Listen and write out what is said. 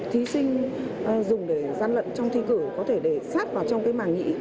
thí sinh dùng để gian lận trong thi cử có thể để sát vào trong cái màng nhị